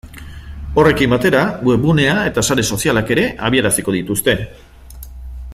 Horrekin batera webgunea eta sare sozialak ere abiaraziko dituzte.